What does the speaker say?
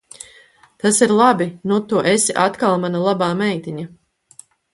Tas ir labi. Nu tu esi atkal mana labā meitiņa.